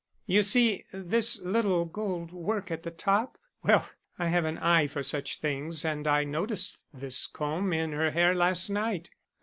You see this little gold work at the top? Well, I have an eye for such things and I noticed this comb in her hair last night.